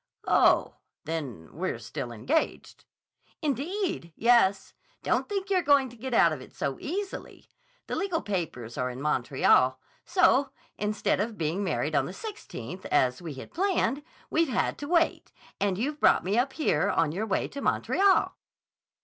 "Oh, then we're still engaged." "Indeed, yes! Don't think you're going to get out of it so easily. The legal papers are in Montreal. So, instead of being married on the 16th, as we had planned, we've had to wait, and you've brought me up here, on your way to Montreal."